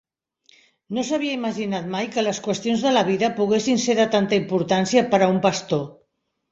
No s'havia imaginat mai que les qüestions de la vida poguessin ser de tanta importància per a un pastor.